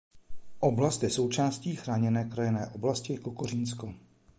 Oblast je součástí chráněné krajinné oblasti Kokořínsko.